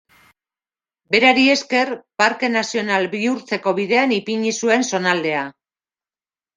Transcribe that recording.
Berari esker, parke nazional bihurtzeko bidean ipini zuen zonaldea.